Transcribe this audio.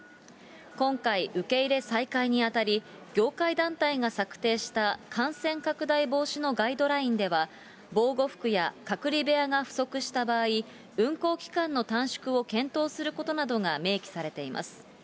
今回、受け入れ再開にあたり、業界団体が策定した感染拡大防止のガイドラインでは、防護服や隔離部屋が不足した場合、運航期間の短縮を検討することなどが明記されています。